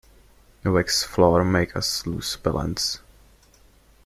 A waxed floor makes us lose balance.